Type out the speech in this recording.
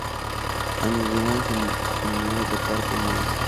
Amy Ryan se unió al reparto en mayo.